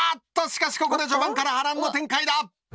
しかしここで序盤から波乱の展開だ！